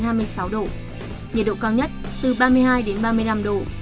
nhiệt độ cao nhất từ ba mươi hai đến ba mươi năm độ